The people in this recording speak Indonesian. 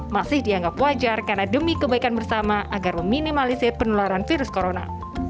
masih dianggap wajar karena demi kebaikan bersama agar meminimalisir penularan virus corona